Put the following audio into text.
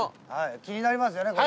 気になりますよね、これ。